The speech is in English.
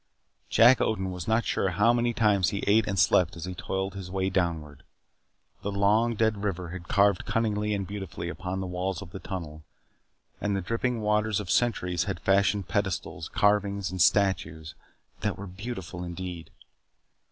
Jack Odin was not sure how many times he ate and slept as he toiled his way downward. The long dead river had carved cunningly and beautifully upon the walls of the tunnel. And the dripping waters of centuries had fashioned pedestals, carvings, and statues that were beautiful indeed.